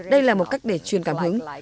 đây là một cách để truyền cảm hứng